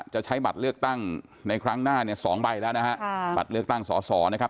จะใช้บัตรเลือกตั้งในครั้งหน้าเนี่ยสองใบแล้วนะฮะบัตรเลือกตั้งสอสอนะครับ